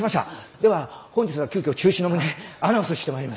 では本日は急遽中止の旨アナウンスしてまいります！